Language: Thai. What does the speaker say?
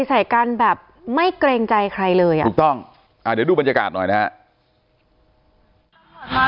ใส่กันแบบไม่เกรงใจใครเลยอ่ะถูกต้องอ่าเดี๋ยวดูบรรยากาศหน่อยนะฮะ